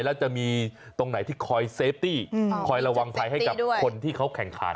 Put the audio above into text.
แล้วจะมีตรงไหนที่คอยเซฟตี้คอยระวังภัยให้กับคนที่เขาแข่งขัน